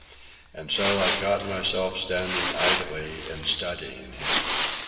And so I caught myself standing idly and studying him.